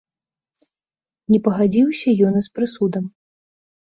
Не пагадзіўся ён і з прысудам.